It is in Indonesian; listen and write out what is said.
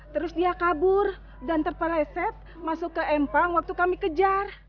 terus dia kabur dan terpeleset masuk ke empang waktu kami kejar